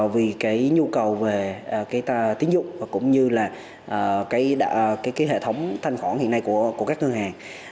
vì nhu cầu về tín dụng cũng như hệ thống thanh khoản hiện nay của các ngân hàng